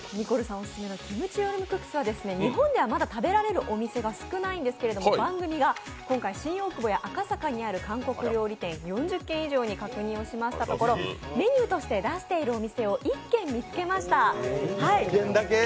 オススメのキムチヨルムクッスは日本ではまだあまり食べられるお店が少ないんですが番組が今回新大久保や赤坂にある韓国料理店４０軒以上に確認しましたところ確認をしましたところ、メニューとして出しているお店を１軒見つけました。